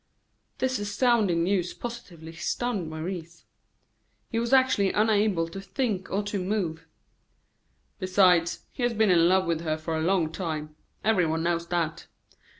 '" This astounding news positively stunned Maurice. He was actually unable to think or to move. "Besides, he has been in love with her for a long time. Everyone knows that.